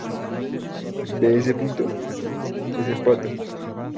¿ ve ese punto? es el pato.